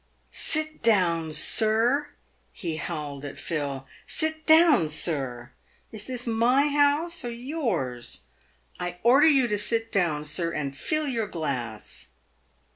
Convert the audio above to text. " Sit down, sir," he howled at Phil —" sit down, sir. Is this my house, or yours ? I order PAYED WITH GOLD. 373 you to sit down, sir, and fill your glass."